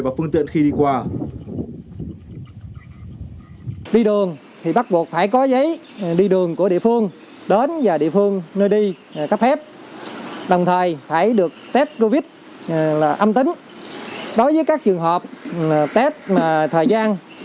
và phương tiện khi đi qua